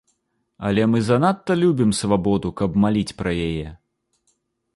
Але мы занадта любім свабоду, каб маліць пра яе.